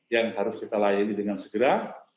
yang harus kita layani dengan segera